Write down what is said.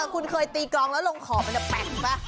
คุณเตี๊ก่อแล้วลงขอบมันแปะป่ะ